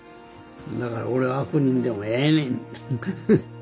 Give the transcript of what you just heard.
だから俺は悪人でもええねんって。